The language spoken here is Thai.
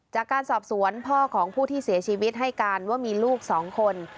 จากการสอบสวนพ่อของผู้ที่เสียชีวิตให้การว่ามีลูก๒คน